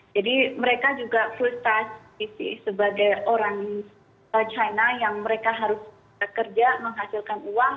jadi mereka juga full staff sebagai orang china yang mereka harus kerja menghasilkan uang